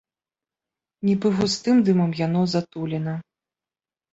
Нібы густым дымам яно затулена.